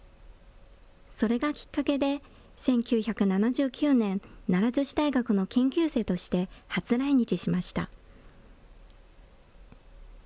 それがきっかけで、１９７９年、奈良女子大学の研究生として初来日しました。